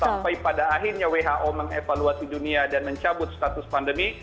sampai pada akhirnya who mengevaluasi dunia dan mencabut status pandemi